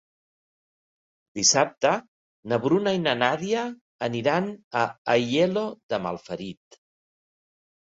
Dissabte na Bruna i na Nàdia aniran a Aielo de Malferit.